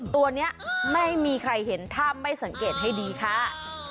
ตัวนี้ไม่มีใครเห็นถ้าไม่สังเกตให้ดีค่ะ